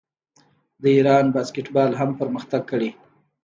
د ایران باسکیټبال هم پرمختګ کړی.